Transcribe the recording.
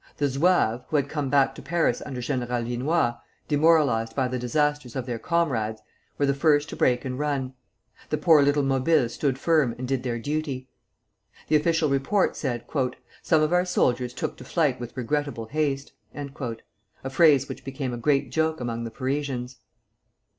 The Zouaves, who had come back to Paris under General Vinoy, demoralized by the disasters of their comrades, were the first to break and run. The poor little Mobiles stood firm and did their duty. The official report said: "Some of our soldiers took to flight with regrettable haste," a phrase which became a great joke among the Parisians.